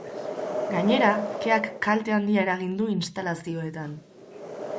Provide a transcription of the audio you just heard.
Gainera, keak kalte handia eragin du instalazioetan.